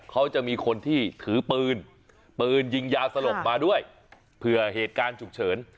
เขาจะมีคนที่ถือปืนปืนยิงยาสลบมาด้วยเผื่อเหตุการณ์ฉุกเฉิน